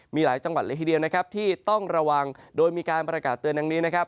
มีหลายจังหวัดละทีเดียวที่ต้องระวังโดยมีการประกาศเตือนอย่างนี้